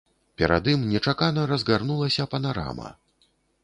Перад ім нечакана разгарнулася панарама.